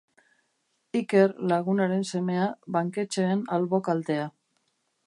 Iker, lagunaren semea, banketxeen albo kaltea.